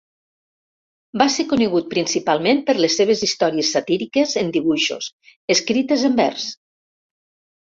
Va ser conegut principalment per les seves històries satíriques en dibuixos, escrites en vers.